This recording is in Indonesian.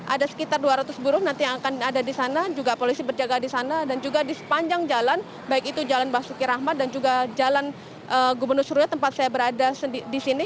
ada sekitar dua ratus buruh nanti yang akan ada di sana juga polisi berjaga di sana dan juga di sepanjang jalan baik itu jalan basuki rahmat dan juga jalan gubernur suryo tempat saya berada di sini